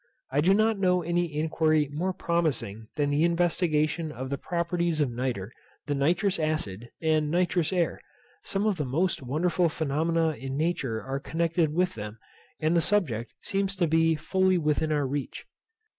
I do not know any inquiry more promising than the investigation of the properties of nitre, the nitrous acid, and nitrous air. Some of the most wonderful phenomena in nature are connected with them, and the subject seems to be fully within our reach.